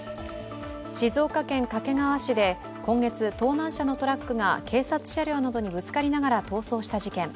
静岡県掛川市で今月、盗難車のトラックが警察車両などにぶつかりながら逃走した事件。